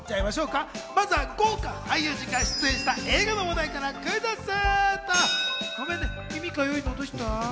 まずは豪華俳優陣が出演した映画の話題から、クイズッス！